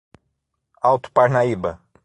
Alto Parnaíba